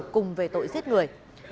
cùng về tội giết người